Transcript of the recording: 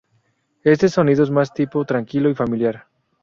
Este sonido es más de tipo tranquilo y familiar.